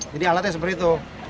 jadi alatnya seperti itu